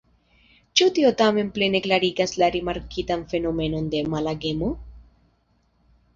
Ĉu tio tamen plene klarigas la rimarkitan fenomenon de malagemo?